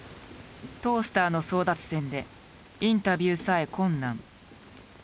トースターの争奪戦でインタビューさえ困難。